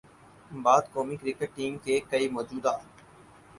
بعد قومی cricket team کے کئی موجودہ